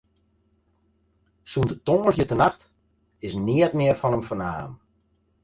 Sûnt tongersdeitenacht is neat mear fan him fernaam.